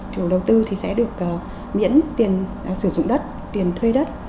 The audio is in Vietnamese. chủ đầu tư sẽ được miễn tiền sử dụng đất tiền thuê đất